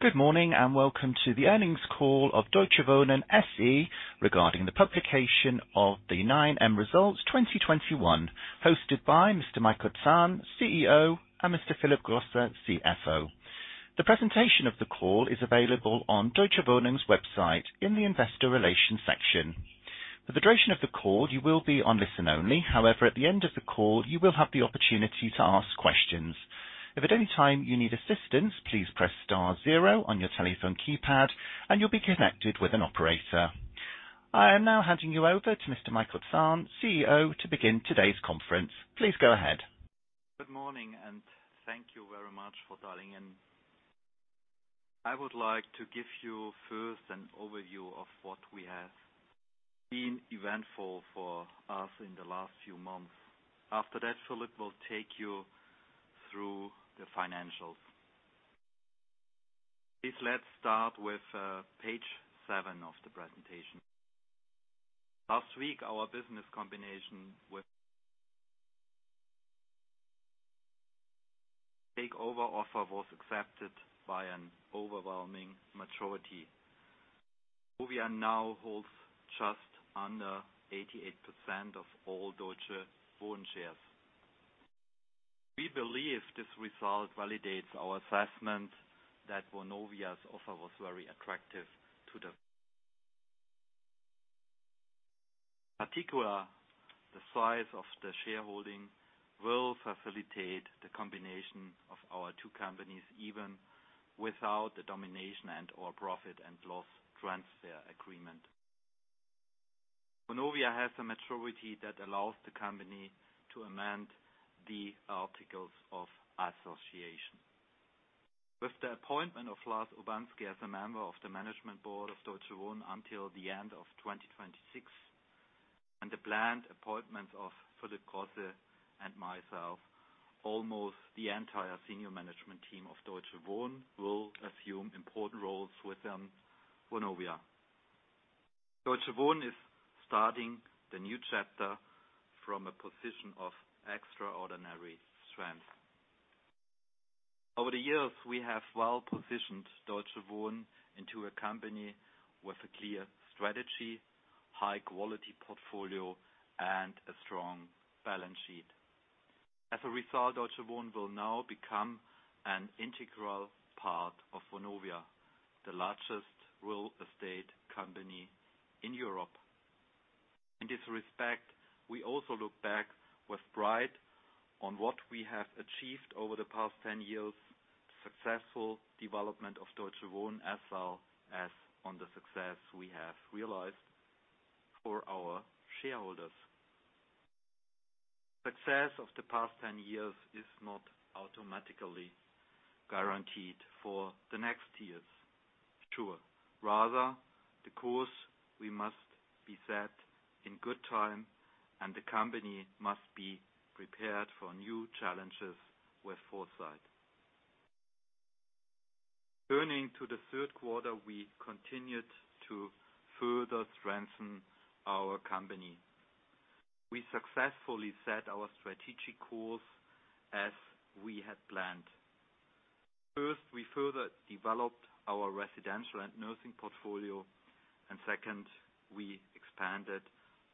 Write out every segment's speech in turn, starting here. Good morning, and welcome to the earnings call of Deutsche Wohnen SE regarding the publication of the 9M Results 2021, hosted by Mr. Michael Zahn, CEO, and Mr. Philip Grosse, CFO. The presentation of the call is available on Deutsche Wohnen's website in the investor relations section. For the duration of the call, you will be on listen only. However, at the end of the call, you will have the opportunity to ask questions. If at any time you need assistance, please press star zero on your telephone keypad and you'll be connected with an operator. I am now handing you over to Mr. Michael Zahn, CEO, to begin today's conference. Please go ahead. Good morning, and thank you very much for dialing in. I would like to give you first an overview of what has been eventful for us in the last few months. After that, Philip will take you through the financials. Please let's start with page seven of the presentation. Last week, our business combination with takeover offer was accepted by an overwhelming majority. Vonovia now holds just under 88% of all Deutsche Wohnen shares. We believe this result validates our assessment that Vonovia's offer was very attractive to the shareholders in particular. The size of the shareholding will facilitate the combination of our two companies, even without the domination and/or profit and loss transfer agreement. Vonovia has the majority that allows the company to amend the articles of association. With the appointment of Lars Urbansky as a member of the Management Board of Deutsche Wohnen until the end of 2026, and the planned appointments of Philip Grosse and myself, almost the entire Senior Management team of Deutsche Wohnen will assume important roles within Vonovia. Deutsche Wohnen is starting the new chapter from a position of extraordinary strength. Over the years, we have well-positioned Deutsche Wohnen into a company with a clear strategy, high quality portfolio, and a strong balance sheet. As a result, Deutsche Wohnen will now become an integral part of Vonovia, the largest real estate company in Europe. In this respect, we also look back with pride on what we have achieved over the past 10 years, successful development of Deutsche Wohnen, as well as on the success we have realized for our shareholders. Success of the past 10 years is not automatically guaranteed for the next years, sure. Rather, the course we must be set in good time and the company must be prepared for new challenges with foresight. Turning to the third quarter, we continued to further strengthen our company. We successfully set our strategic course as we had planned. First, we further developed our residential and nursing portfolio. Second, we expanded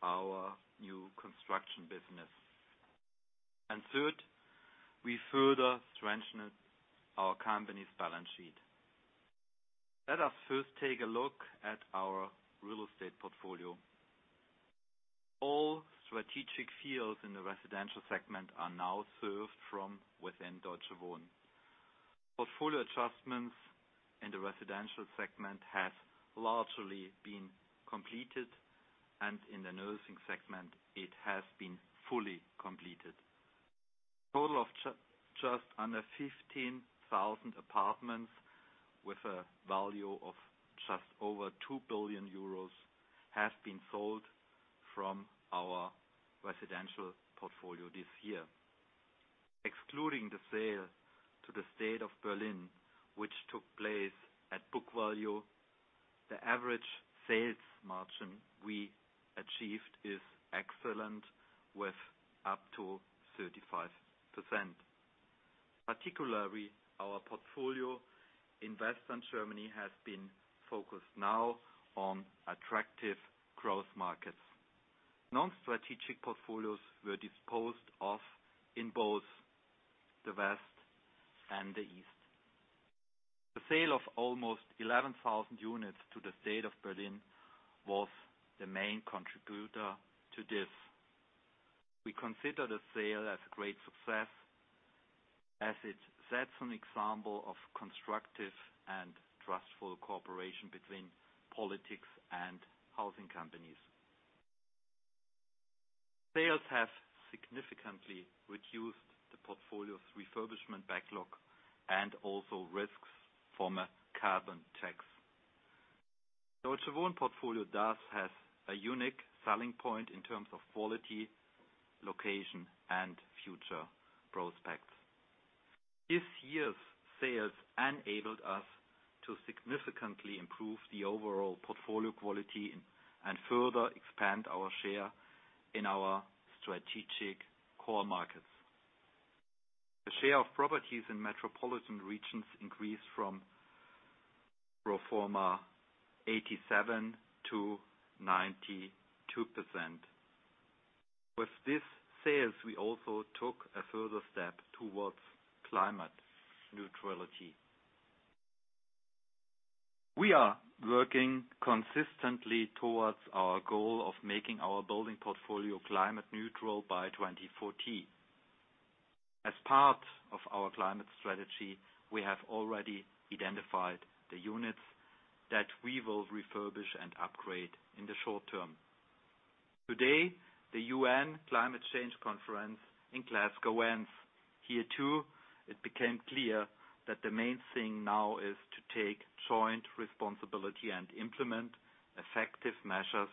our new construction business. And third, we further strengthened our company's balance sheet. Let us first take a look at our real estate portfolio. All strategic fields in the residential segment are now served from within Deutsche Wohnen. Portfolio adjustments in the residential segment has largely been completed, and in the nursing segment it has been fully completed. Total of just under 15,000 apartments with a value of just over 2 billion euros has been sold from our residential portfolio this year. Excluding the sale to the state of Berlin, which took place at book value, the average sales margin we achieved is excellent with up to 35%. Particularly our portfolio in Western Germany has been focused now on attractive growth markets. Non-strategic portfolios were disposed of in both the West and the East. The sale of almost 11,000 units to the state of Berlin was the main contributor to this. We consider the sale as a great success as it sets an example of constructive and trustful cooperation between politics and housing companies. Sales have significantly reduced the portfolio's refurbishment backlog and also risks from a carbon tax. Deutsche Wohnen portfolio does have a unique selling point in terms of quality, location, and future prospects. This year's sales enabled us to significantly improve the overall portfolio quality and further expand our share in our strategic core markets. The share of properties in metropolitan regions increased from pro forma 87%-92%. With these sales, we also took a further step towards climate neutrality. We are working consistently towards our goal of making our building portfolio climate neutral by 2040. As part of our climate strategy, we have already identified the units that we will refurbish and upgrade in the short term. Today, the UN Climate Change Conference in Glasgow ends. Here too, it became clear that the main thing now is to take joint responsibility and implement effective measures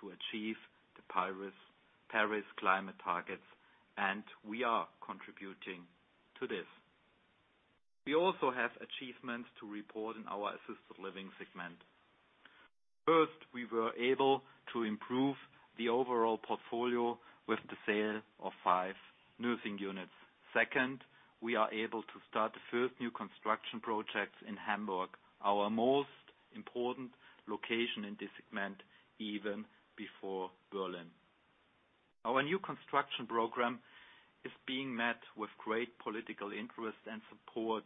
to achieve the Paris Climate targets, and we are contributing to this. We also have achievements to report in our assisted living segment. First, we were able to improve the overall portfolio with the sale of five nursing units. Second, we are able to start the first new construction projects in Hamburg, our most important location in this segment, even before Berlin. Our new construction program is being met with great political interest and support.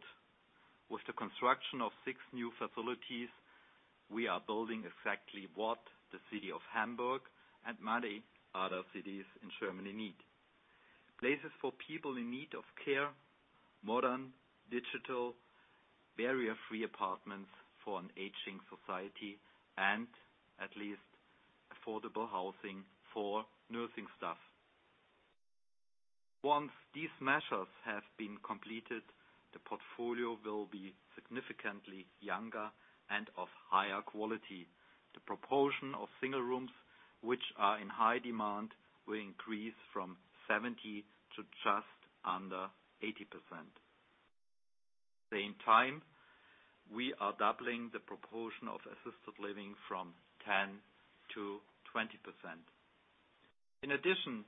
With the construction of six new facilities, we are building exactly what the city of Hamburg and many other cities in Germany need. Places for people in need of care, modern, digital, barrier-free apartments for an aging society, and at least affordable housing for nursing staff. Once these measures have been completed, the portfolio will be significantly younger and of higher quality. The proportion of single rooms which are in high demand will increase from 70% to just under 80%. The same time, we are doubling the proportion of assisted living from 10%-20%. In addition,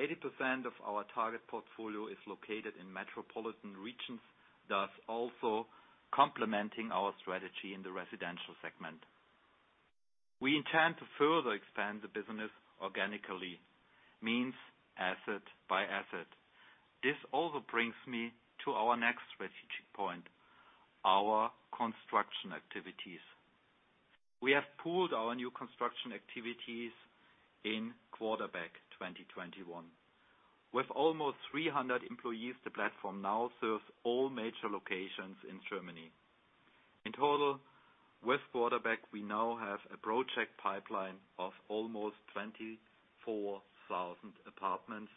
80% of our target portfolio is located in metropolitan regions, thus also complementing our strategy in the residential segment. We intend to further expand the business organically, meaning asset by asset. This also brings me to our next strategic point, our construction activities. We have pooled our new construction activities in QUARTERBACK in 2021. With almost 300 employees, the platform now serves all major locations in Germany. In total, with QUARTERBACK, we now have a project pipeline of almost 24,000 apartments,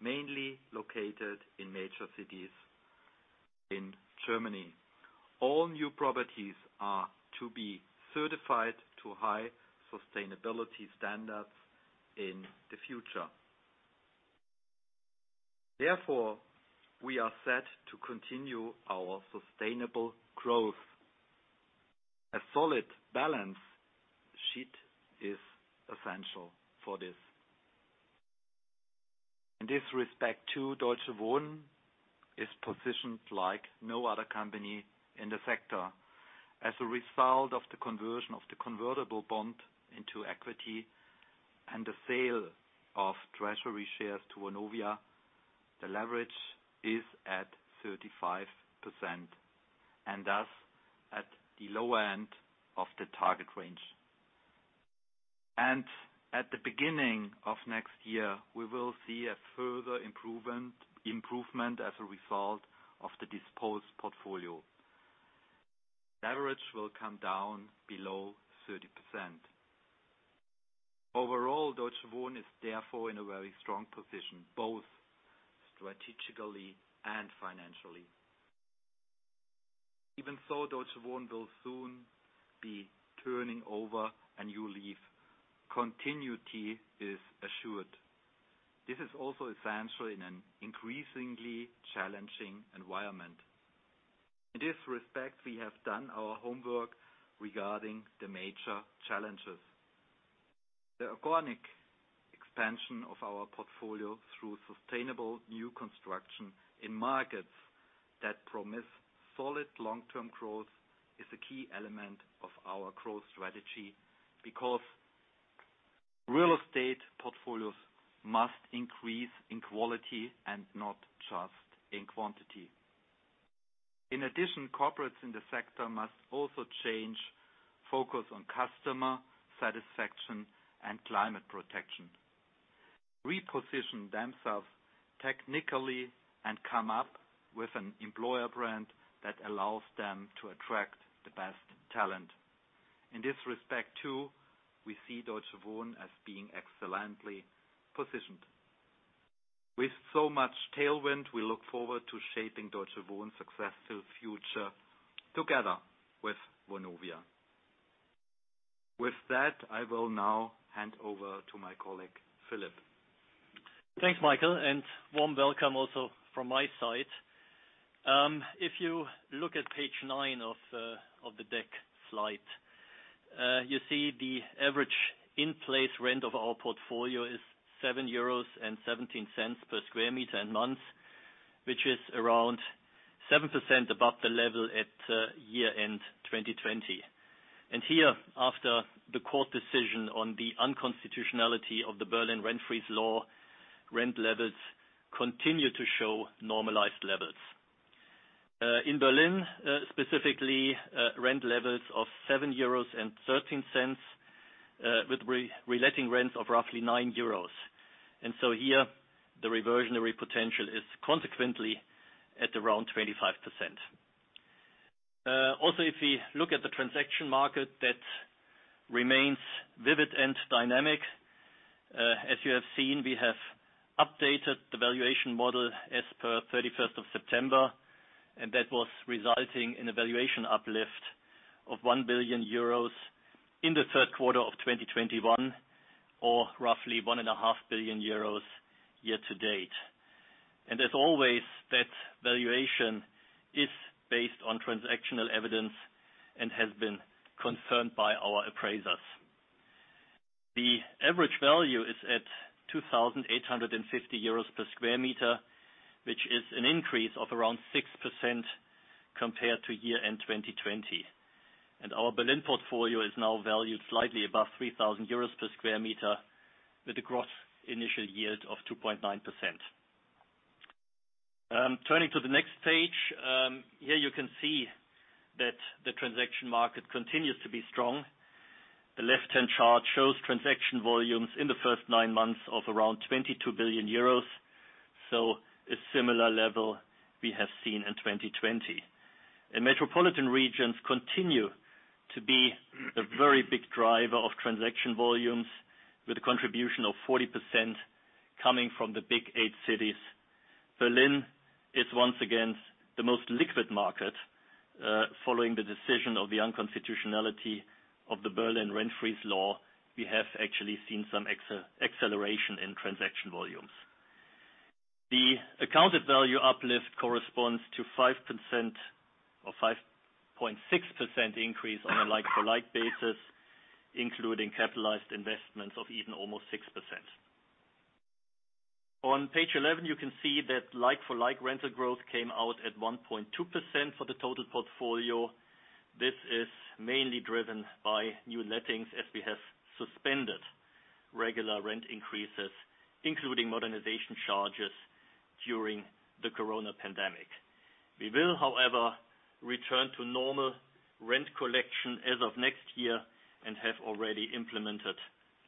mainly located in major cities in Germany. All new properties are to be certified to high sustainability standards in the future. Therefore, we are set to continue our sustainable growth. A solid balance sheet is essential for this. In this respect, too, Deutsche Wohnen is positioned like no other company in the sector. As a result of the conversion of the convertible bond into equity and the sale of treasury shares to Vonovia, the leverage is at 35% and thus at the lower end of the target range. At the beginning of next year, we will see a further improvement as a result of the disposed portfolio. Leverage will come down below 30%. Overall, Deutsche Wohnen is therefore in a very strong position, both strategically and financially. Even so, Deutsche Wohnen will soon be turning over a new leaf. Continuity is assured. This is also essential in an increasingly challenging environment. In this respect, we have done our homework regarding the major challenges. The organic expansion of our portfolio through sustainable new construction in markets that promise solid long-term growth is a key element of our growth strategy because real estate portfolios must increase in quality and not just in quantity. In addition, corporates in the sector must also change focus on customer satisfaction and climate protection, reposition themselves technically, and come up with an employer brand that allows them to attract the best talent. In this respect, too, we see Deutsche Wohnen as being excellently positioned. With so much tailwind, we look forward to shaping Deutsche Wohnen's successful future together with Vonovia. With that, I will now hand over to my colleague, Philip. Thanks, Michael, and warm welcome also from my side. If you look at page nine of the deck slide, you see the average in-place rent of our portfolio is 7.17 euros per sq m and month, which is around 7% above the level at year-end 2020. Here, after the court decision on the unconstitutionality of the Berlin rent freeze law, rent levels continue to show normalized levels. In Berlin, specifically, rent levels of 7.13 euros with reletting rents of roughly 9 euros. Here, the reversionary potential is consequently at around 25%. Also, if we look at the transaction market, that remains vivid and dynamic. As you have seen, we have updated the valuation model as of 31 September, and that was resulting in a valuation uplift of 1 billion euros in the third quarter of 2021, or roughly 1.5 billion euros year-to-date. As always, that valuation is based on transactional evidence and has been confirmed by our appraisers. The average value is at 2,850 euros per sq m, which is an increase of around 6% compared to year-end 2020. Our Berlin portfolio is now valued slightly above 3,000 euros per sq m, with a gross initial yield of 2.9%. Turning to the next page. Here you can see that the transaction market continues to be strong. The left-hand chart shows transaction volumes in the first nine months of around 22 billion euros. A similar level we have seen in 2020. Metropolitan regions continue to be a very big driver of transaction volumes, with a contribution of 40% coming from the Big eight cities. Berlin is once again the most liquid market. Following the decision of the unconstitutionality of the Berlin rent freeze law, we have actually seen some acceleration in transaction volumes. The accounted value uplift corresponds to 5% or 5.6% increase on a like-for-like basis, including capitalized investments of even almost 6%. On page 11, you can see that like-for-like rental growth came out at 1.2% for the total portfolio. This is mainly driven by new lettings, as we have suspended regular rent increases, including modernization charges during the corona pandemic. We will, however, return to normal rent collection as of next year and have already implemented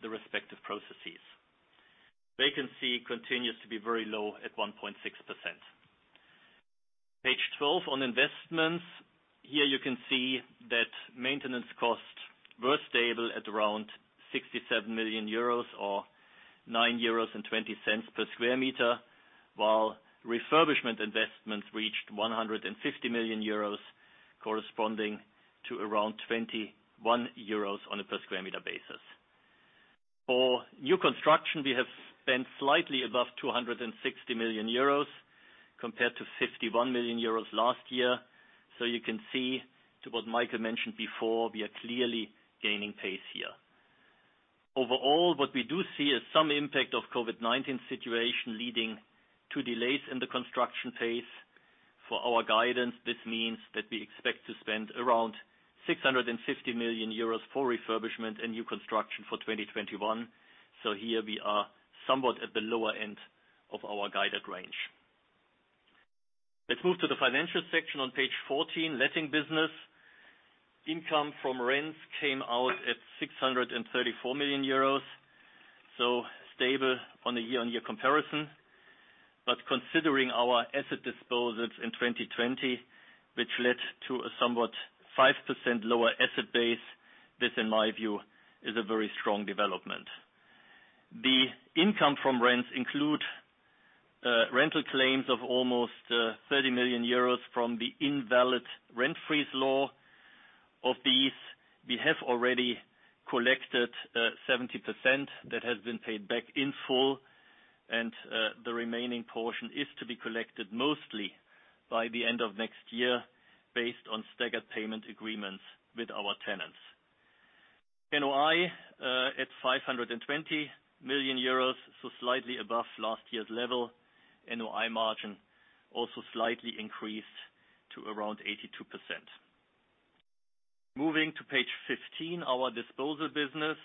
the respective processes. Vacancy continues to be very low, at 1.6%. Page 12 on investments. Here you can see that maintenance costs were stable at around 67 million euros or 9.20 euros per sq m, while refurbishment investments reached 150 million euros, corresponding to around 21 euros on a per sq m basis. For new construction, we have spent slightly above 260 million euros compared to 51 million euros last year. You can see to what Michael mentioned before, we are clearly gaining pace here. Overall, what we do see is some impact of COVID-19 situation leading to delays in the construction pace. For our guidance, this means that we expect to spend around 650 million euros for refurbishment and new construction for 2021. Here we are somewhat at the lower end of our guided range. Let's move to the financial section on page 14. Letting business. Income from rents came out at 634 million euros, so stable on a year-on-year comparison. Considering our asset disposals in 2020, which led to a somewhat 5% lower asset base, this, in my view, is a very strong development. The income from rents include rental claims of almost 30 million euros from the invalid rent freeze law. Of these, we have already collected 70% that has been paid back in full, and the remaining portion is to be collected mostly by the end of next year based on staggered payment agreements with our tenants. NOI at 520 million euros, so slightly above last year's level. NOI margin also slightly increased to around 82%. Moving to page 15, our disposal business.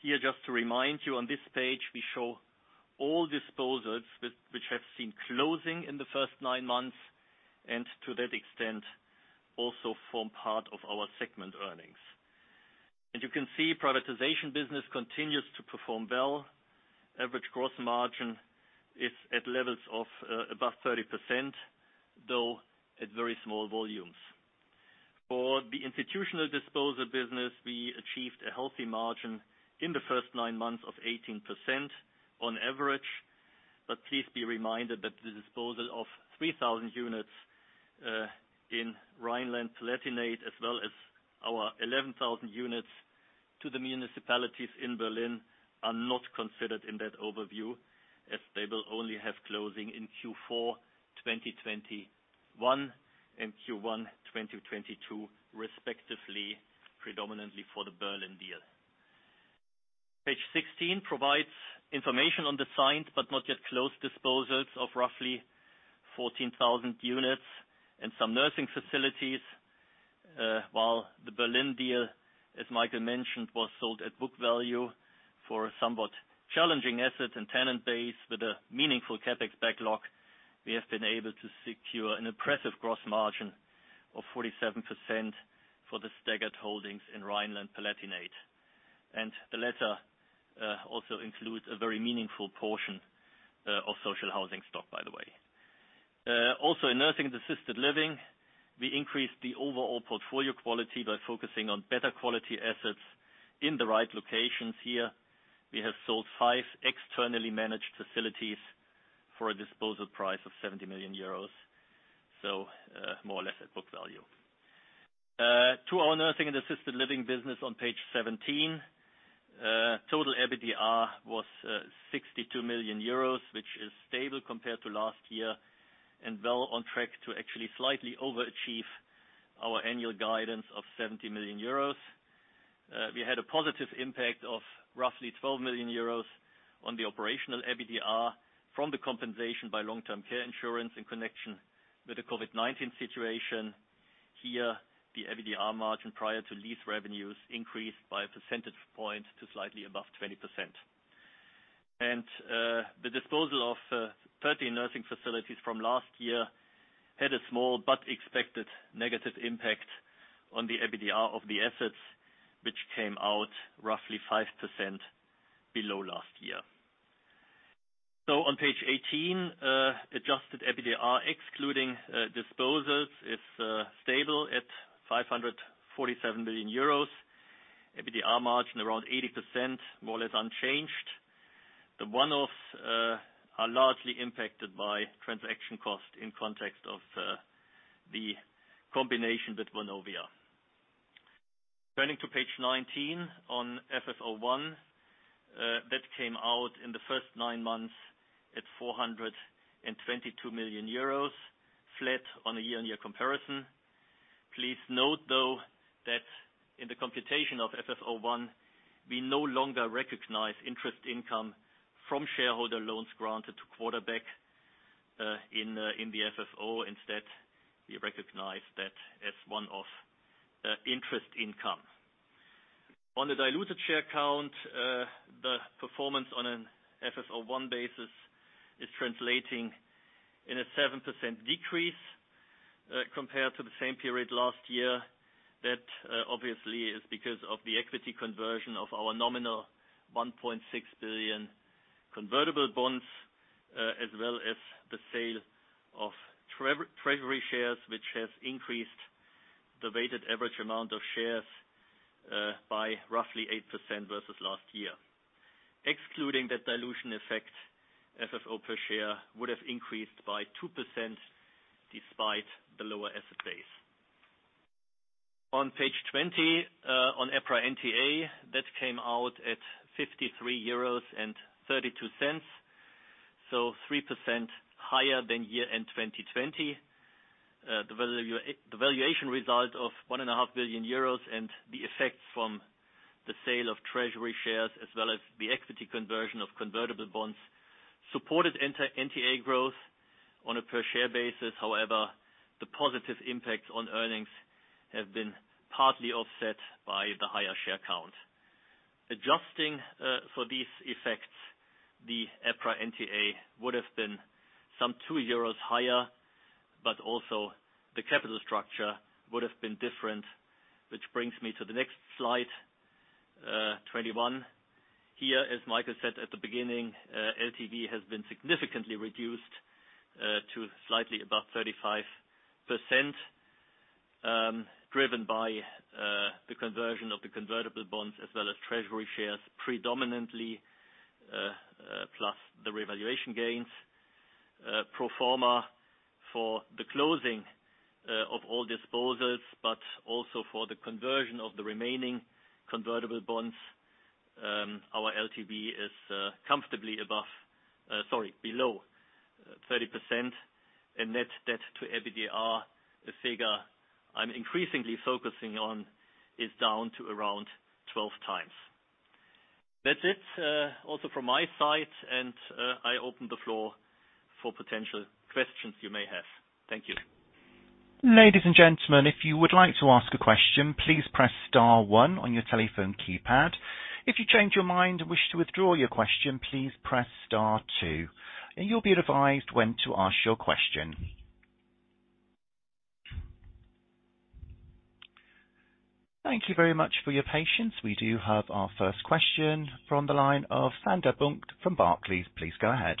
Here, just to remind you, on this page we show all disposals which have seen closing in the first nine months and to that extent, also form part of our segment earnings. As you can see, privatization business continues to perform well. Average gross margin is at levels of above 30%, though at very small volumes. For the institutional disposal business, we achieved a healthy margin in the first nine months of 18% on average. Please be reminded that the disposal of 3,000 units in Rhineland-Palatinate, as well as our 11,000 units to the municipalities in Berlin, are not considered in that overview, as they will only have closing in Q4 2021 and Q1 2022 respectively, predominantly for the Berlin deal. Page 16 provides information on the signed, but not yet closed disposals of roughly 14,000 units and some nursing facilities, while the Berlin deal, as Michael mentioned, was sold at book value for a somewhat challenging asset and tenant base with a meaningful CapEx backlog, we have been able to secure an impressive gross margin of 47% for the staggered holdings in Rhineland-Palatinate. The latter also includes a very meaningful portion of social housing stock by the way. Also in nursing and assisted living, we increased the overall portfolio quality by focusing on better quality assets in the right locations here. We have sold five externally managed facilities for a disposal price of 70 million euros, so more or less at book value. To our nursing and assisted living business on page 17. Total EBITDA was 62 million euros, which is stable compared to last year and well on track to actually slightly overachieve our annual guidance of 70 million euros. We had a positive impact of roughly 12 million euros on the operational EBITDA from the compensation by long-term care insurance in connection with the COVID-19 situation. Here, the EBITDA margin prior to lease revenues increased by a percentage point to slightly above 20%. And the disposal of 13 nursing facilities from last year had a small but expected negative impact on the EBITDA of the assets, which came out roughly 5% below last year. On page 18, adjusted EBITDA excluding disposals is stable at 547 million euros. EBITDA margin around 80%, more or less unchanged. The one-off are largely impacted by transaction costs in context of the combination with Vonovia. Turning to page 19 on FFO 1, that came out in the first nine months at 422 million euros, flat on a year-on-year comparison. Please note, though, that in the computation of FFO 1, we no longer recognize interest income from shareholder loans granted to QUARTERBACK in the FFO. Instead, we recognize that as other interest income. On the diluted share count, the performance on an FFO 1 basis is resulting in a 7% decrease compared to the same period last year. That obviously is because of the equity conversion of our nominal 1.6 billion convertible bonds, as well as the sale of treasury shares, which has increased the weighted average amount of shares by roughly 8% versus last year. Excluding the dilution effect, FFO per share would have increased by 2% despite the lower asset base. On page 20, on EPRA NTA, that came out at 53.32 euros, so 3% higher than year-end 2020. The valuation result of 1.5 billion euros and the effects from the sale of treasury shares, as well as the equity conversion of convertible bonds, supported EPRA NTA growth on a per share basis. However, the positive impact on earnings have been partly offset by the higher share count. Adjusting for these effects, the EPRA NTA would have been some 2 euros higher, but also the capital structure would have been different, which brings me to the next slide, 21. Here, as Michael said at the beginning, LTV has been significantly reduced to slightly above 35%, driven by the conversion of the convertible bonds as well as treasury shares predominantly, plus the revaluation gains. Pro forma for the closing of all disposals, but also for the conversion of the remaining convertible bonds, our LTV is comfortably below 30%. Net Debt to EBITDA, a figure I'm increasingly focusing on, is down to around 12 times. That's it, also from my side, and I open the floor for potential questions you may have. Thank you. We do have our first question from the line of Sander Bunck from Barclays. Please go ahead.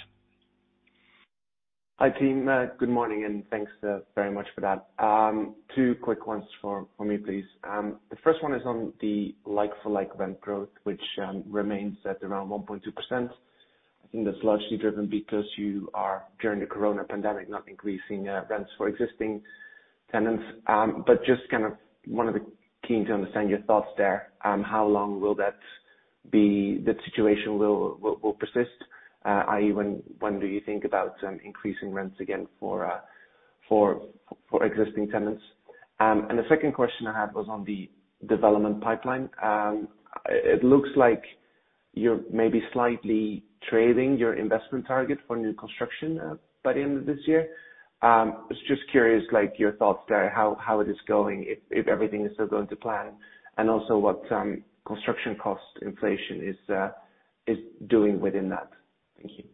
Hi team. Good morning, and thanks very much for that. Two quick ones for me, please. The first one is on the like-for-like rent growth, which remains at around 1.2%. I think that's largely driven because you are, during the corona pandemic, not increasing rents for existing tenants. I'm keen to understand your thoughts there, how long will the situation persist? I.e., when do you think about increasing rents again for existing tenants? The second question I had was on the development pipeline. It looks like you're maybe slightly trailing your investment target for new construction by the end of this year. I was just curious, like your thoughts there, how it is going, if everything is still going to plan, and also what construction cost inflation is doing within that. Thank you.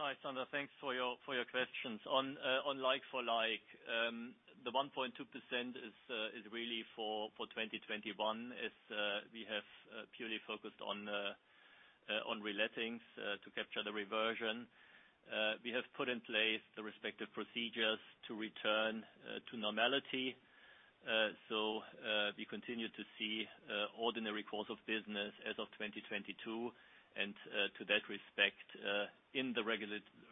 Hi Sander, thanks for your questions. On like-for-like, the 1.2% is really for 2021. It's we have purely focused on relettings to capture the reversion. We have put in place the respective procedures to return to normality. We continue to see ordinary course of business as of 2022. To that respect, in the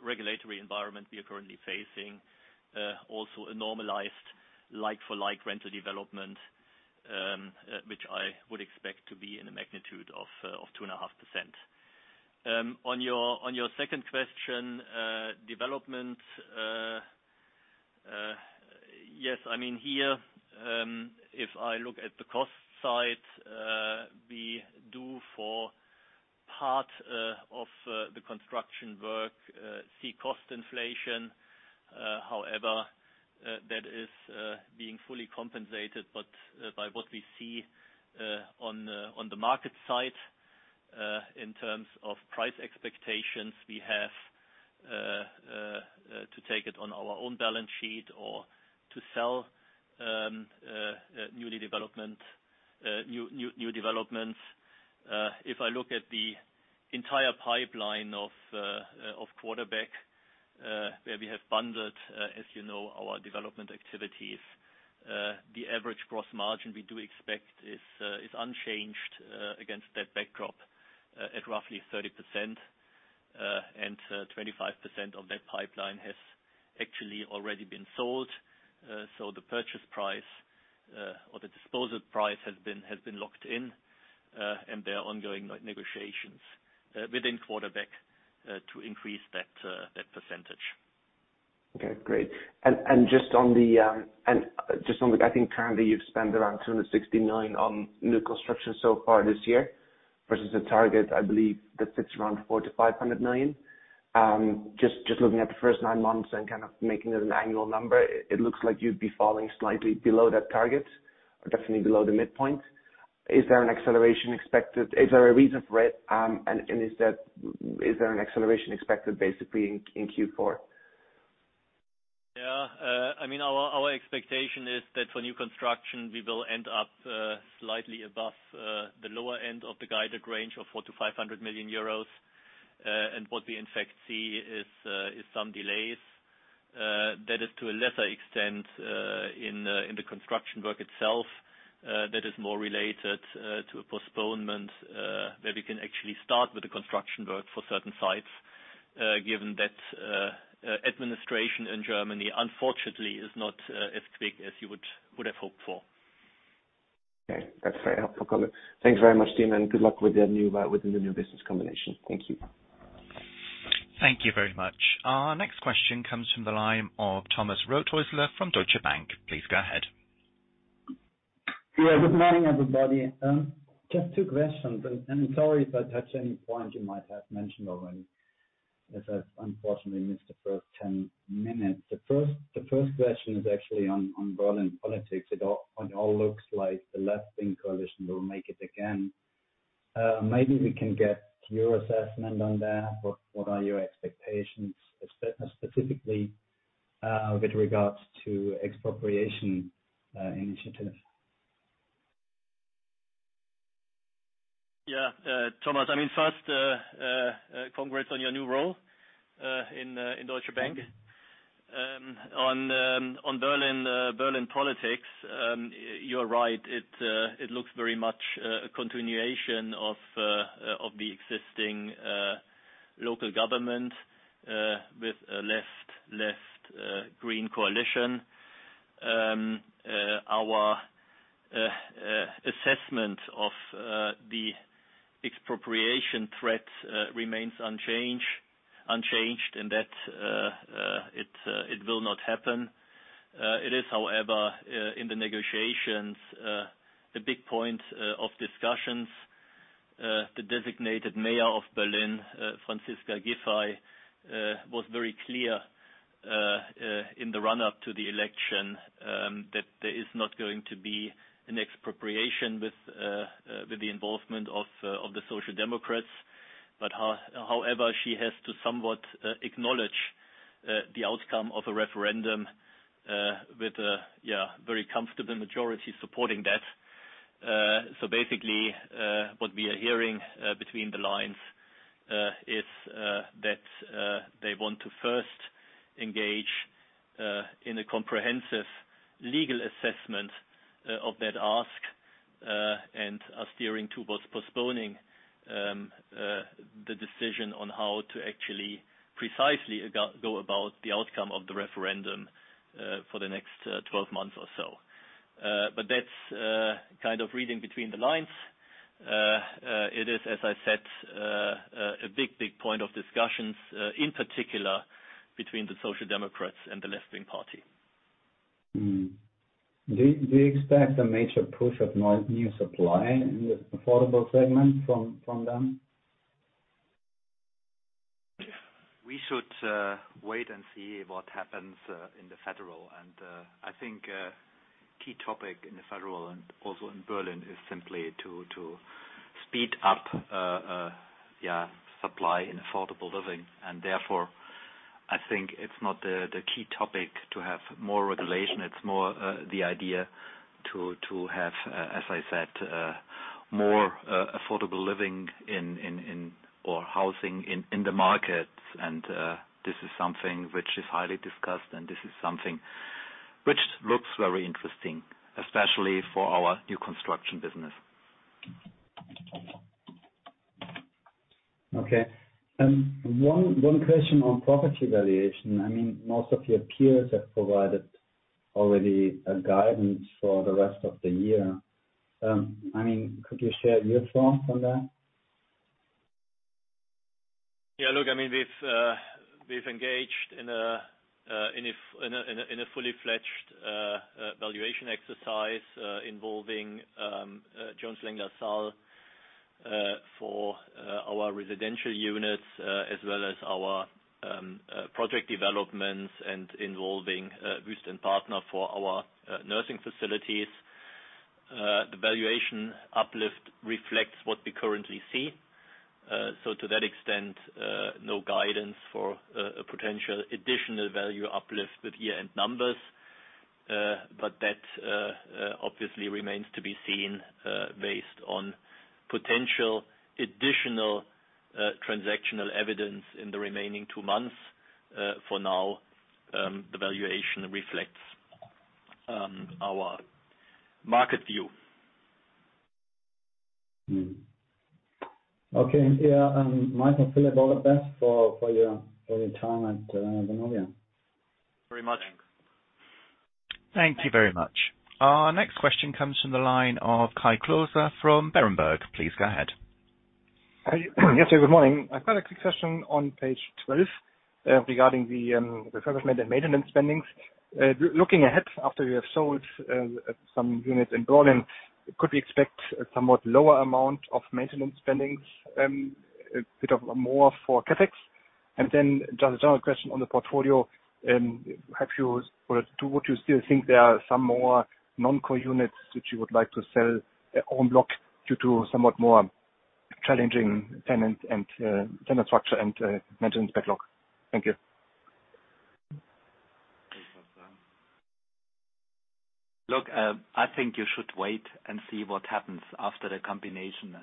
regulatory environment we are currently facing, also a normalized like-for-like rental development, which I would expect to be in a magnitude of 2.5%. On your second question, development. Yes, I mean, here, if I look at the cost side, we do for part of the construction work see cost inflation. However, that is being fully compensated, but by what we see on the market side, in terms of price expectations we have to take it on our own balance sheet or to sell new developments. If I look at the entire pipeline of QUARTERBACK, where we have bundled, as you know, our development activities. The average gross margin we do expect is unchanged against that backdrop at roughly 30%. 25% of that pipeline has actually already been sold. The purchase price, or the disposal price, has been locked in. There are ongoing negotiations within QUARTERBACK to increase that percentage. Okay, great. Just on the, I think currently you've spent around 269 million on new construction so far this year, versus the target, I believe, that sits around 400 million-500 million. Just looking at the first nine months and kind of making it an annual number, it looks like you'd be falling slightly below that target or definitely below the midpoint. Is there an acceleration expected? Is there a reason for it? Is there an acceleration expected basically in Q4? Yeah. I mean, our expectation is that for new construction, we will end up slightly above the lower end of the guided range of 400 million-500 million euros. What we in fact see is some delays that is to a lesser extent in the construction work itself. That is more related to a postponement where we can actually start with the construction work for certain sites. Given that, administration in Germany unfortunately is not as quick as you would have hoped for. Okay. That's very helpful comment. Thanks very much, Philip, and good luck with the new business combination. Thank you. Thank you very much. Our next question comes from the line of Thomas Rothäusler from Deutsche Bank. Please go ahead. Yeah. Good morning, everybody. Just two questions. Sorry if I touch any point you might have mentioned already, as I've unfortunately missed the first 10 minutes. The first question is actually on Berlin politics. It all looks like the left-wing coalition will make it again. Maybe we can get your assessment on that. What are your expectations, specifically, with regards to expropriation initiatives? Yeah. Thomas, I mean, first, congrats on your new role in Deutsche Bank. On Berlin politics, you're right. It looks very much a continuation of the existing local government with a left green coalition. Our assessment of the expropriation threats remains unchanged in that it will not happen. It is, however, in the negotiations the big point of discussions. The designated mayor of Berlin, Franziska Giffey, was very clear in the run-up to the election that there is not going to be an expropriation with the involvement of the social democrats. However, she has to somewhat acknowledge the outcome of a referendum with a very comfortable majority supporting that. What we are hearing between the lines is that they want to first engage in a comprehensive legal assessment of that ask and are steering towards postponing the decision on how to actually precisely go about the outcome of the referendum for the next 12 months or so. That's kind of reading between the lines. It is, as I said, a big point of discussions in particular between the Social Democrats and Die Linke. Do you expect a major push of new supply in the affordable segment from them? We should wait and see what happens in the federal. I think key topic in the federal and also in Berlin is simply to speed up supply in affordable living. Therefore, I think it's not the key topic to have more regulation. It's more the idea to have, as I said, more affordable living in or housing in the markets. This is something which is highly discussed, and this is something which looks very interesting, especially for our new construction business. Okay. One question on property valuation. I mean, most of your peers have provided already a guidance for the rest of the year. I mean, could you share your thought on that? Yeah, look, I mean, we've engaged in a fully-fledged valuation exercise involving Jones Lang LaSalle for our residential units as well as our project developments and involving Wüest Partner for our nursing facilities. The valuation uplift reflects what we currently see. To that extent, no guidance for a potential additional value uplift with year-end numbers. That obviously remains to be seen based on potential additional transactional evidence in the remaining two months. For now, the valuation reflects our market view. Michael, Philip, all the best for your time at Vonovia. Very much. Thanks. Thank you very much. Our next question comes from the line of Kai Klose from Berenberg. Please go ahead. Hi. Yes, good morning. I've got a quick question on page 12, regarding the refurbishment and maintenance spending. Looking ahead after you have sold some units in Berlin, could we expect a somewhat lower amount of maintenance spending, a bit more for CapEx? Then just a general question on the portfolio. Do you still think there are some more non-core units which you would like to sell en bloc due to somewhat more challenging tenant structure and maintenance backlog? Thank you. Look, I think you should wait and see what happens after the combination.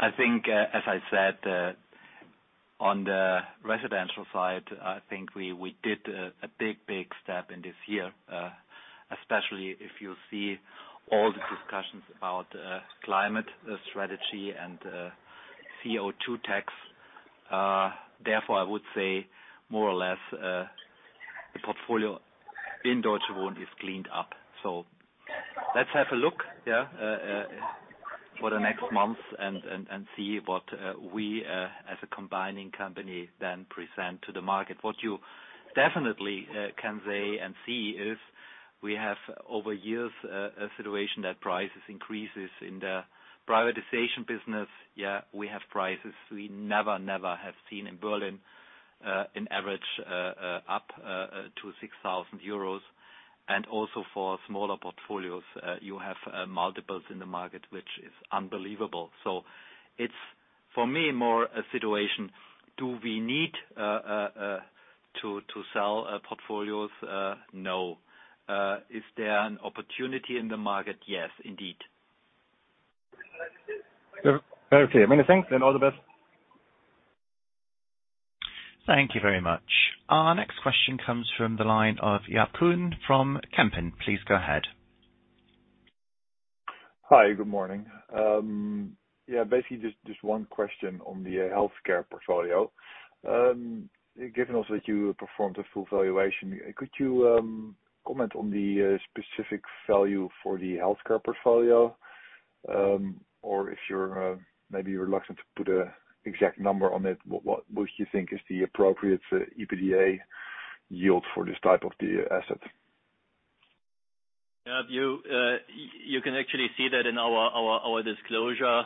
I think, as I said, on the residential side, I think we did a big step this year, especially if you see all the discussions about climate strategy and CO2 tax. Therefore, I would say more or less the portfolio in Deutsche Wohnen is cleaned up. Let's have a look for the next months and see what we as a combining company then present to the market. What you definitely can say and see is we have over years a situation that price increases in the privatization business. Yeah, we have prices we never have seen in Berlin, on average up to 6,000 euros. Also for smaller portfolios, you have multiples in the market, which is unbelievable. It's, for me, more a situation, do we need to sell portfolios? No. Is there an opportunity in the market? Yes, indeed. Very clear. Many thanks and all the best. Thank you very much. Our next question comes from the line of Jaap Kuin from Kempen. Please go ahead. Hi, good morning. Yeah, basically just one question on the healthcare portfolio. Given also that you performed a full valuation, could you comment on the specific value for the healthcare portfolio? Or if you're maybe reluctant to put an exact number on it, what do you think is the appropriate EBITDA yield for this type of the asset? Jaap, you can actually see that in our disclosure.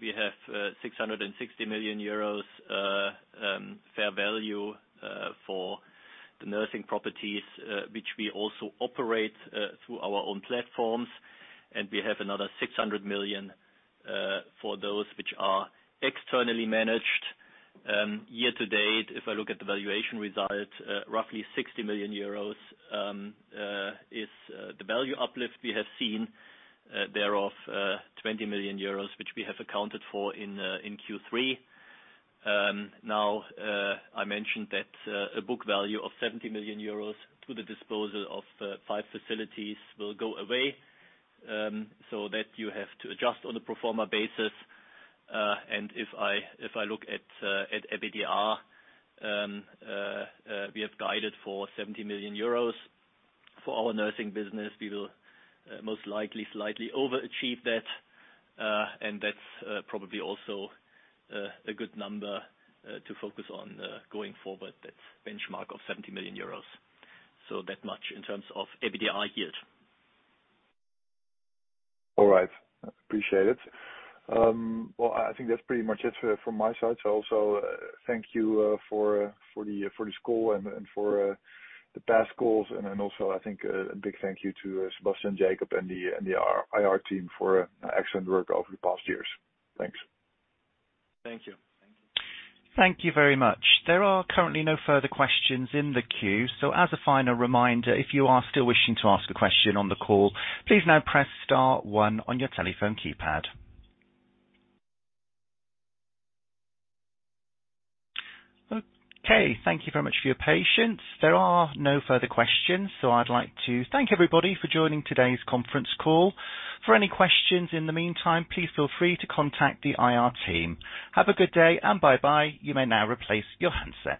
We have 660 million euros fair value for the nursing properties, which we also operate through our own platforms. We have another 600 million for those which are externally managed. Year-to-date, if I look at the valuation result, roughly 60 million euros is the value uplift we have seen. Thereof, 20 million euros, which we have accounted for in Q3. Now, I mentioned that a book value of 70 million euros to the disposal of five facilities will go away, so that you have to adjust on a pro forma basis. If I look at EBITDA, we have guided for 70 million euros. For our nursing business, we will most likely slightly overachieve that. That's probably also a good number to focus on going forward. That's benchmark of 70 million euros. That much in terms of EBITDA yield. All right. Appreciate it. Well, I think that's pretty much it from my side. Also, thank you for this call and for the past calls. I think a big thank you to Sebastian Jung and the IR team for excellent work over the past years. Thanks. Thank you. Thank you very much. There are currently no further questions in the queue. As a final reminder, if you are still wishing to ask a question on the call, please now press star one on your telephone keypad. Okay, thank you very much for your patience. There are no further questions, so I'd like to thank everybody for joining today's conference call. For any questions in the meantime, please feel free to contact the IR team. Have a good day and bye-bye. You may now replace your handset.